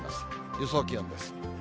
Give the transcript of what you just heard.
予想気温です。